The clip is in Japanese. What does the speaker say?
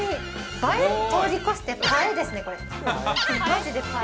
映え通り越して、パエですね、これ。